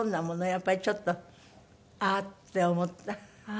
やっぱりちょっと「あっ」って思った？